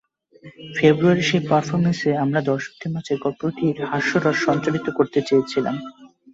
ফেব্রুয়ারির সেই পারফরম্যান্সে আমরা দর্শকদের মাঝে গল্পটির হাস্যরস সঞ্চারিত করতে চেয়েছিলাম।